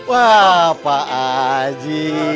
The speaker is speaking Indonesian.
wah pak aji